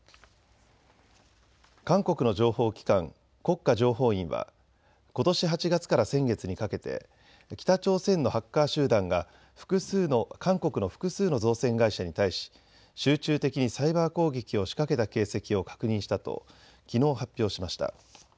韓国の情報機関、国家情報院はことし８月から先月にかけて北朝鮮のハッカー集団が韓国の複数の造船会社に対し集中的にサイバー攻撃を仕掛けた形跡を確認したときのう発表しました。